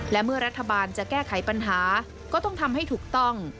และเมื่อรัฐบาลจะแก้ไขปัญหาก็ต้องทำให้ถูกต้อง